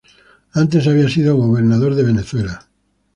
Antes había sido gobernador de Venezuela.